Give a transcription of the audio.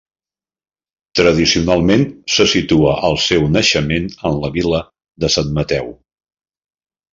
Tradicionalment se situa el seu naixement en la vila de Sant Mateu.